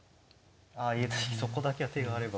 ああそこだけは手があれば。